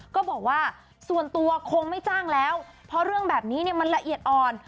ก็บอกว่าส่วนตัวคงไม่จ้างแล้วเพราะเรื่องแบบนี้มันละเอียดอ่อน